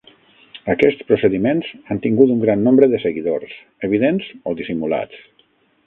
Aquests procediments han tingut un gran nombre de seguidors, evidents o dissimulats.